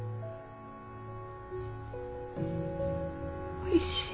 おいしい